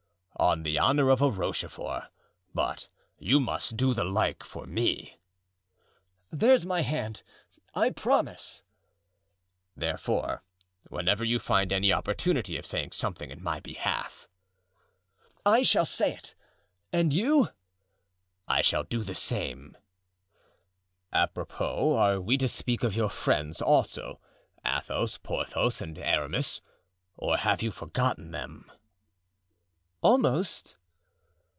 "On the honor of a Rochefort; but you must do the like for me." "There's my hand,—I promise." "Therefore, whenever you find any opportunity of saying something in my behalf——" "I shall say it, and you?" "I shall do the same." "Apropos, are we to speak of your friends also, Athos, Porthos, and Aramis? or have you forgotten them?" "Almost."